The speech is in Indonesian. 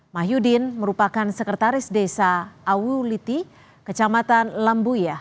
mahyudin merupakan sekretaris desa awuliti kecamatan lambuyah